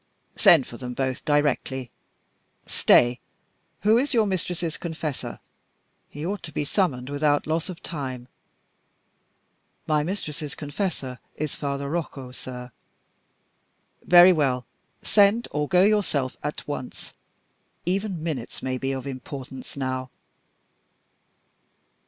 "Send for them both directly. Stay, who is your mistress's confessor? He ought to be summoned without loss of time." "My mistress's confessor is Father Rocco, sir." "Very well send, or go yourself, at once. Even minutes may be of importance now."